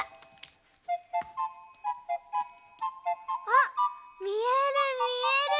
あっみえるみえる。